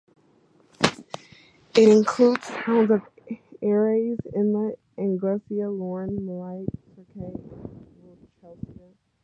It includes the towns of Aireys Inlet, Anglesea, Lorne, Moriac, Torquay and Winchelsea.